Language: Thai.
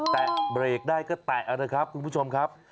แตะเบรกได้ก็แตะนะครับคุณผู้ชมครับ